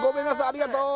ありがとう